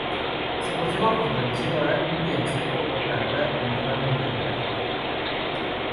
Se conserva por tradición oral un villancico o cantar del ramo de Navidad.